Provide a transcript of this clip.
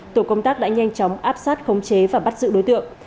tổ công tác đã nhanh chóng áp sát khống chế và bắt giữ đối tượng